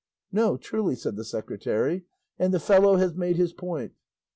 "No, truly," said the secretary, "and the fellow has made his point."